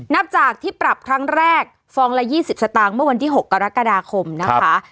นับจากที่ปรับครั้งแรกฟองละ๒๐สตางค์เมื่อวันที่๖กรกฎาคมนะคะ